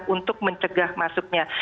untuk mencegah masuknya